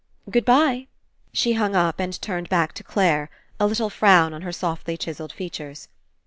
... Good bye." She hung up and turned back to Clare, a little frown on her softly chiselled features.